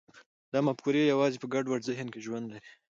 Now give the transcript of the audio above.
دا مفکورې یوازې په ګډ ذهن کې ژوند لري.